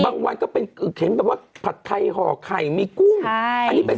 บางวันก็เป็นเค็มแต่ว่าผัดไทยห่อไข่มีกุ้ง